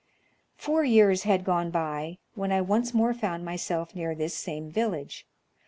" Four years had gone by, when I once more found myself near this same village.